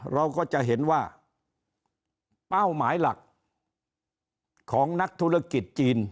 เราก็จะเห็นว่าเป้าหมายหลักของนักธุรกิจจีน